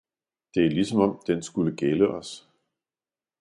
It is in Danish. Det er ligesom den skulle gælde os.